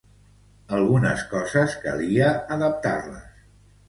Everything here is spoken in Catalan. Algunes coses calia adaptar-les.